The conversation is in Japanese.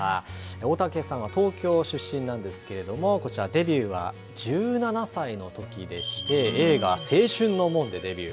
大竹さんは東京出身なんですけれども、こちら、デビューは１７歳のときでして、映画、青春の門でデビュー。